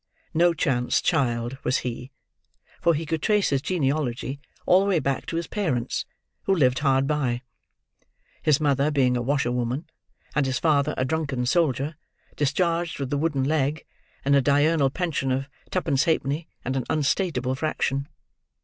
No chance child was he, for he could trace his genealogy all the way back to his parents, who lived hard by; his mother being a washerwoman, and his father a drunken soldier, discharged with a wooden leg, and a diurnal pension of twopence halfpenny and an unstateable fraction.